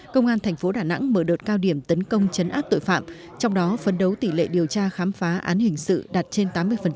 công an thành phố đà nẵng mở đợt cao điểm tấn công chấn áp tội phạm trong đó phấn đấu tỷ lệ điều tra khám phá án hình sự đạt trên tám mươi